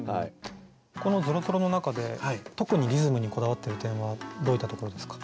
この「ぞろぞろ」の中で特にリズムにこだわってる点はどういったところですか？